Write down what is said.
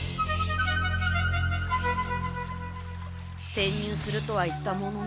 せん入するとは言ったものの。